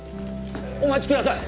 お待ちください！